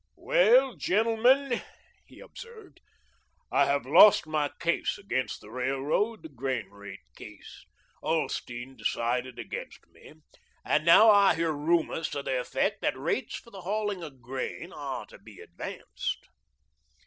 "Well, gentlemen," he observed, "I have lost my case against the railroad, the grain rate case. Ulsteen decided against me, and now I hear rumours to the effect that rates for the hauling of grain are to be advanced."